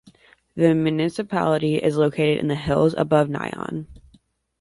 The municipality is located in the hills above Nyon.